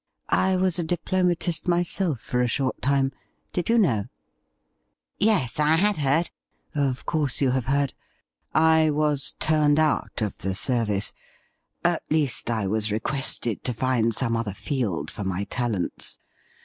I was a diplomatist myself for a short time. Did you know .?'' Yes, I had heard.' 'Of course you have heard. I was turned out of the service — at least, I was requested to find some other field for my talents.